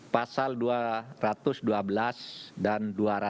pasal dua ratus dua belas dan dua ratus